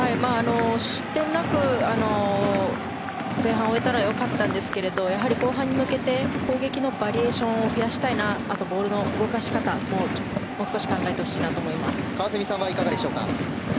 失点なく前半を終えたら良かったんですけどやはり後半に向けて攻撃のバリエーションを増やしたいのとあとはボールの動かし方もうまうま！